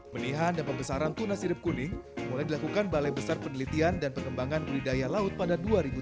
benihan dan pembesaran tuna sirip kuning mulai dilakukan balai besar penelitian dan pengembangan budidaya laut pada dua ribu tujuh belas